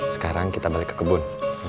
sekarang kita balik ke kebun